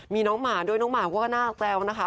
มีน้องหมาด้วยน้องหมาก็น่าแซวนะคะ